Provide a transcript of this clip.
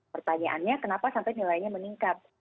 pertanyaannya kenapa sampai nilainya meningkat